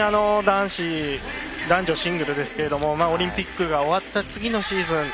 男女シングルですけどもオリンピックが終わった次のシーズン